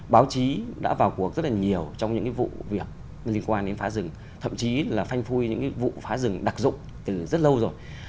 báo chí đã vào cuộc rất là nhiều trong những cái vụ việc liên quan đến phá rừng thậm chí là phanh phui những cái vụ phá rừng đặc dụng từ rất lâu rồi